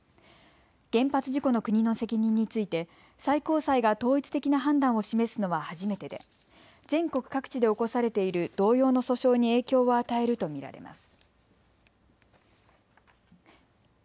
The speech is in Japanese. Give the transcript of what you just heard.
原発事故の国の責任について最高裁が統一的な判断を示すのは初めてで全国各地で起こされている同様の訴訟に影響を与えると見られます。